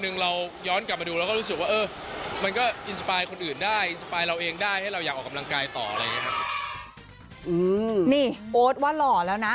นี่โอ๊ตว่าหล่อแล้วนะ